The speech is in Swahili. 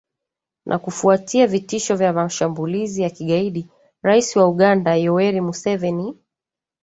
na kufuatia vitisho vya mashambulizi ya kigaidi rais wa uganda yoweri museveni